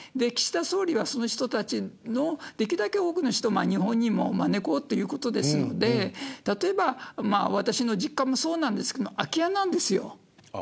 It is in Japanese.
岸田総理はその人たちのできるだけ多くの人を日本にも招こうということですので例えば、私の実家もそうなんですけど空き家なんですよ。